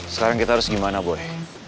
sekarang kita harus gimana boleh